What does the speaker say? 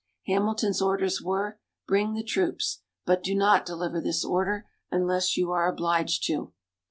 Hamilton's orders were: "Bring the troops, but do not deliver this order unless you are obliged to."